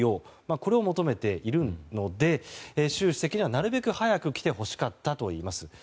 これを求めているので習主席にはなるべく早く来てほしかったといいます。